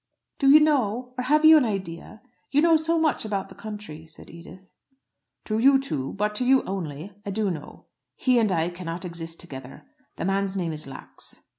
"Do you know, or have you an idea? You know so much about the country," said Edith. "To you two, but to you only, I do know. He and I cannot exist together. The man's name is Lax."